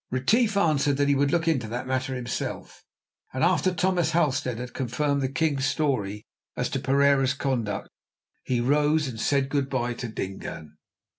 Retief answered that he would look into that matter himself, and after Thomas Halstead had confirmed the king's story as to Pereira's conduct, he rose and said good bye to Dingaan.